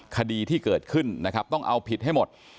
คดีที่เกิดขึ้นนะครับต้องเอาผิดให้หมด